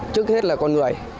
trước hết là con người